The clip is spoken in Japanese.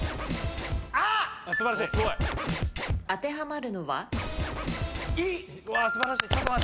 当てはまるのは？